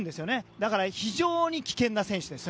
だから、非常に危険な選手です。